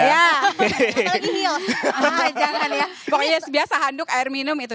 pokoknya biasa handuk air minum itu